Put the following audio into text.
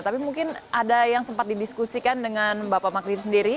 tapi mungkin ada yang sempat didiskusikan dengan bapak magdir sendiri